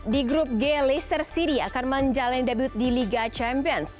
di grup g leicester city akan menjalani debut di liga champions